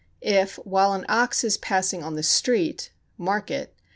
If while an ox is passing on the street [market?